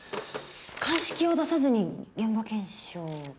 鑑識を出さずに現場検証。